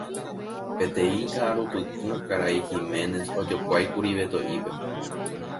Peteĩ ka'arupytũ Karai Giménez ojokuáikuri Beto'ípe.